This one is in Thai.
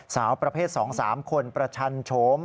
สาวประเภท๒๓คนประชันโฉม